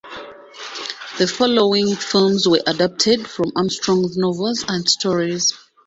The following films were adapted from Armstrong's novels and stories.